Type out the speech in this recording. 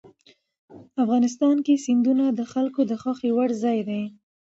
افغانستان کې سیندونه د خلکو د خوښې وړ ځای دی.